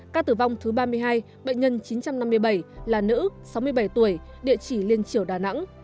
ca tử vong thứ ba mươi hai bệnh nhân chín trăm năm mươi bảy là nữ sáu mươi bảy tuổi địa chỉ liên triều đà nẵng